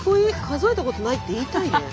数えたことないって言いたいね。